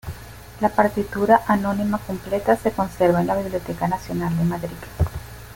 La partitura anónima completa se conserva en la Biblioteca Nacional de Madrid.